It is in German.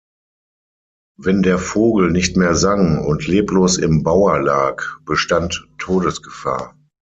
Wenn der Vogel nicht mehr sang und leblos im Bauer lag, bestand Todesgefahr.